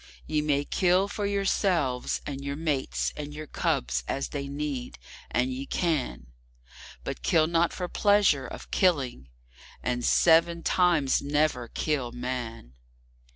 Ye may kill for yourselves, and your mates, and your cubs as they need, and ye can; But kill not for pleasure of killing, and seven times never kill Man!